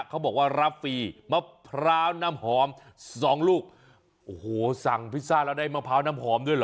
เขาบอกว่ารับฟรีมะพร้าวน้ำหอมสองลูกโอ้โหสั่งพิซซ่าแล้วได้มะพร้าวน้ำหอมด้วยเหรอ